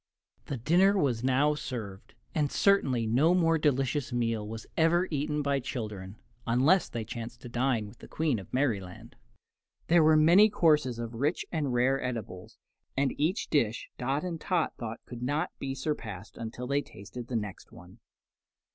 The dinner was now served, and certainly no more delicious meal was ever eaten by children, unless they chanced to dine with the Queen of Merryland. There were many courses of rich and rare edibles, and each dish Dot and Tot thought could not be surpassed until they tasted the next one.